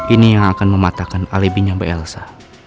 ini yang akan mematahkan alibinya mbak elsa